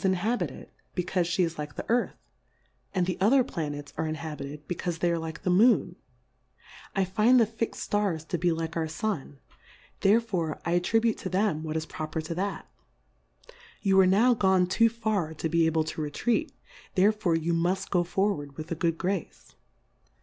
141 inhabited, becaufe fhe is like tke Earth ; and the other Planets are inhabited, be caufe they are like the Moon ; I find the fixM Stars to be like our San, there fore I attribute to them what is proper to that : You arc now gone too far to be able to retreat, therefore you muft go forward with a good Grace.